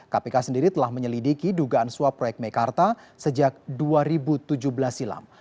kpk sendiri telah menyelidiki dugaan suap proyek mekarta sejak dua ribu tujuh belas silam